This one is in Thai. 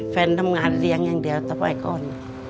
ทำงานเลี้ยงอย่างเดียวสมัยก่อน